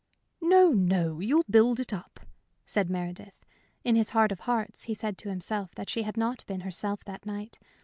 "No, no! You'll build it up," said Meredith. In his heart of hearts he said to himself that she had not been herself that night.